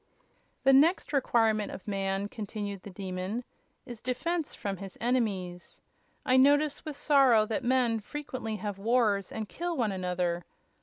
"The next requirement of man," continued the Demon, "is defense from his enemies. I notice with sorrow that men frequently have wars and kill one another.